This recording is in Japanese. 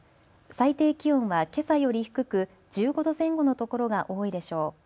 最低気温はけさより低く１５度前後の所が多いでしょう。